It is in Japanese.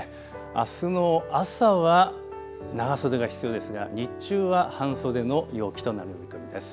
あすの朝は長袖が必要ですが日中は半袖の陽気となる見込みです。